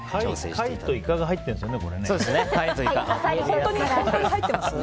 貝とイカが入ってるんですよね。